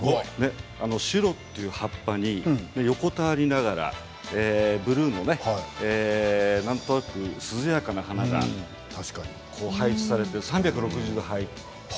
シュロという葉っぱに横たわりながらブルーのなんとなく涼やかな花が映える。